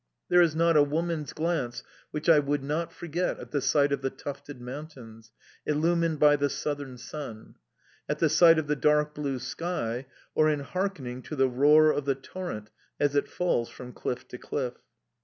There is not a woman's glance which I would not forget at the sight of the tufted mountains, illumined by the southern sun; at the sight of the dark blue sky, or in hearkening to the roar of the torrent as it falls from cliff to cliff.